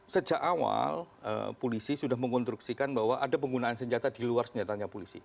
sejak awal polisi sudah mengkonstruksikan bahwa ada penggunaan senjata di luar senjatanya polisi